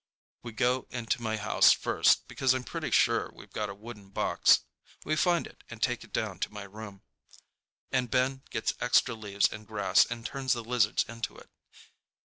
We go into my house first because I'm pretty sure we've got a wooden box. We find it and take it down to my room, and Ben gets extra leaves and grass and turns the lizards into it.